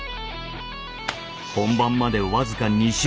本番まで僅か２週間。